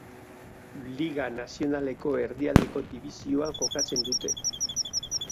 Liga Nazionaleko Erdialdeko Dibisioan jokatzen dute.